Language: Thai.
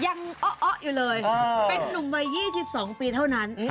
ยังอ้ออยู่เลยเป็นนุ่มวัย๒๒ปีเท่านั้น